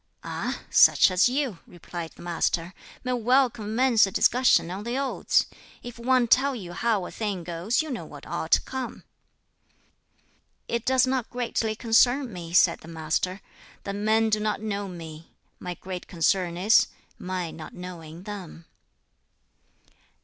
"Ah! such as you," replied the Master, "may well commence a discussion on the Odes. If one tell you how a thing goes, you know what ought to come." "It does not greatly concern me," said the Master, "that men do not know me; my great concern is, my not knowing them."